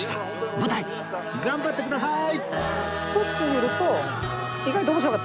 舞台頑張ってください！